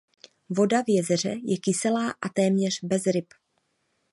Voda v jezeře je kyselá a téměř bez ryb.